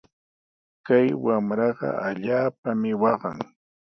Kay wamraqa allaapami waqan.